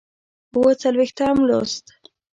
اووه څلوېښتم لوست